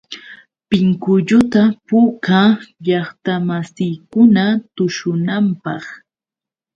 Pinkulluta puukaa llaqtamasiikuna tushunanpaq.